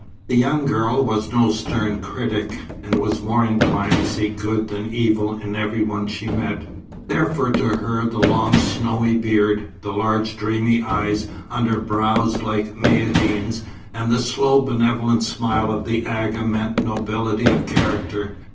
The young girl was no stern critic, and was more inclined to see good than evil in every one she met; therefore to her the long snowy beard, the large dreamy eyes under brows like Maïeddine's, and the slow, benevolent smile of the Agha meant nobility of character.